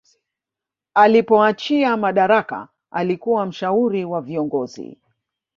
alipoachia madaraka alikuwa mshauri wa viongozi